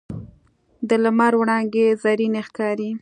د لمر وړانګې زرینې ښکاري